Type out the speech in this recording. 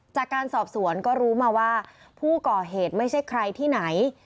จากการสอบสวนก็รู้มาว่าผู้ก่อเหตุไม่ใช่ใครที่ไหน